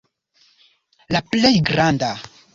La plej granda.